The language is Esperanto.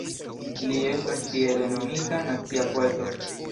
Li estas tiele nomita "nacia poeto".